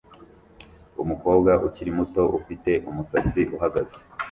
Umukobwa ukiri muto ufite umusatsi uhagaze